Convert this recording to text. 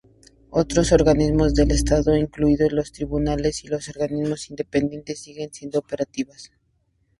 Otros organismos del Estado, incluidos los tribunales y los órganos independientes, siguen siendo operativas.